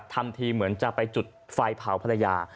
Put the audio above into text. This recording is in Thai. ทำทีเหมือนจะไปจุดไฟเผาภรรยา